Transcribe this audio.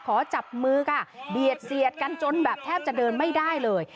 ขอจับมือค่ะเบียดเสียดกันจนแบบแทบจะเดินไม่ได้เลย